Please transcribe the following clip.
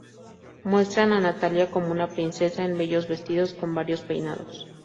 Muestran a Natalia como una princesa en bellos vestidos con varios peinados.